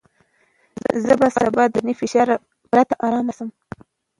زه به سبا له ذهني فشار پرته ارامه شوم.